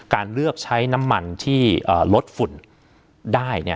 การเลือกใช้น้ำมันที่ลดฝุ่นได้